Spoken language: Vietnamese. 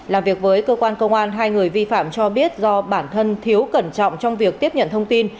làm việc với cơ quan công an hai người vi phạm cho biết do bản thân thiếu cẩn trọng trong việc tiếp nhận thông tin